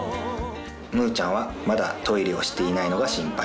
むぅちゃんはトイレをまだしていないのが心配。